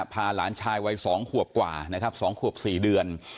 พาหลานชายวัย๒ขวบกว่านะครับ๒ขวบ๔เดือน